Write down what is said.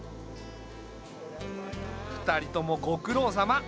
２人ともご苦労さま。